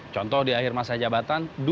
contoh di akhir masa jabatan